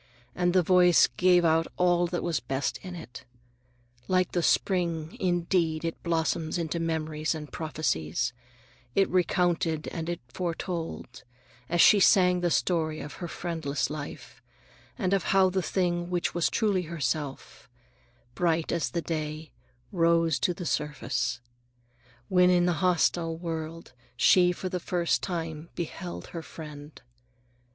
And the voice gave out all that was best in it. Like the spring, indeed, it blossomed into memories and prophecies, it recounted and it foretold, as she sang the story of her friendless life, and of how the thing which was truly herself, "bright as the day, rose to the surface" when in the hostile world she for the first time beheld her Friend.